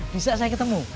bisa saya ketemu